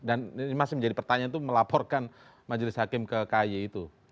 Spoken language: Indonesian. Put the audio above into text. dan ini masih menjadi pertanyaan itu melaporkan majelis hakim ke kay itu